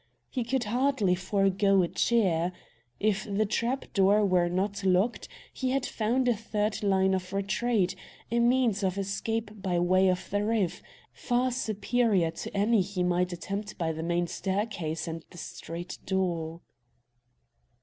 He could hardly forego a cheer. If the trap door were not locked, he had found a third line of retreat, a means of escape by way of the roof, far superior to any he might attempt by the main staircase and the street door.